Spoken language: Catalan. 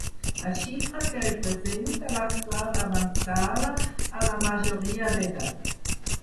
La xifra que representa l'actual avantsala a la majoria d'edat.